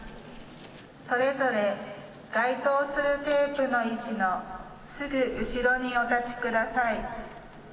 それぞれ該当するテープの位置のすぐ後ろにお立ちください。